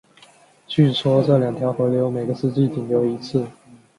据说这两条河流每个世纪仅流一次。